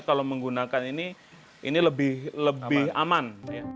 kalau menggunakan ini ini lebih aman